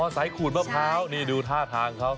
สายขูดมะพร้าวนี่ดูท่าทางเขา